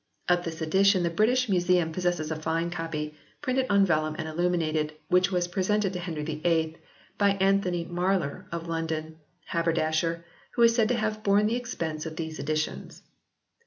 Of this edi tion the British Museum possesses a fine copy, printed on vellum and illuminated, which was presented to Henry VIII by Anthony Marler, of London, haber dasher, who is said to have borne the expense of these editions.